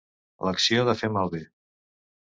L'acció de fer malbé.